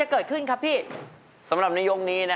คุณชายา